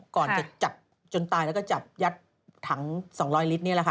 ก่อนจะจับจนตายแล้วก็จับยัดถัง๒๐๐ลิตรนี่แหละค่ะ